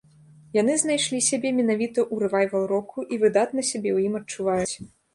Яны знайшлі сябе менавіта ў рэвайвал-року і выдатна сябе ў ім адчуваюць.